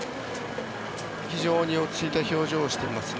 非常に落ち着いた表情をしていますね。